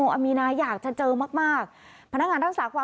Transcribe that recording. จะพูดให้เกียรติผมหน่อยนะครับว่า